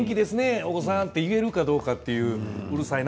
お子さんと言えるかどうかうるさいな！